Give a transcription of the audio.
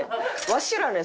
わしらね